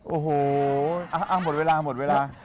โอ้โหหมดเวลาหมดเวลา